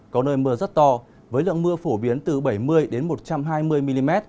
có nơi mưa rất to với lượng mưa phổ biến từ bảy mươi một trăm hai mươi mm